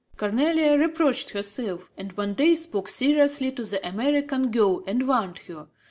Cornélie reproached herself and one day spoke seriously to the American girl and warned her.